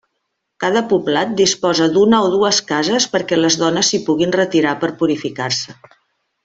Cada poblat disposa d'una o dues cases perquè les dones s'hi puguin retirar per purificar-se.